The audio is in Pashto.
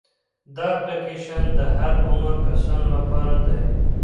دا اپلیکیشن د هر عمر کسانو لپاره دی.